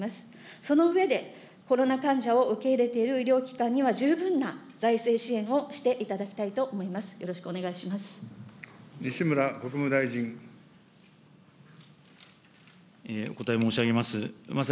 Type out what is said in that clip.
その上で、コロナ患者を受け入れている医療機関には、十分な財政支援をしていただきたいと思います。